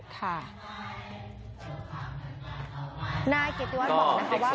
คุณครูเกียรติวัฒน์บอกนะครับว่า